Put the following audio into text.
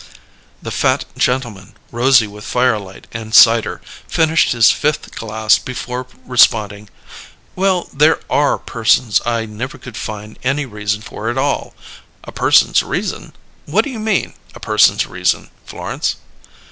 The fat gentleman, rosy with firelight and cider, finished his fifth glass before responding. "Well, there are persons I never could find any reason for at all. 'A person's reason'? What do you mean, 'a person's reason,' Florence?"